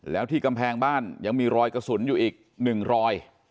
แล้วที่กำแพงบ้านยังมีรอยกระสุนอยู่อีก๑รอย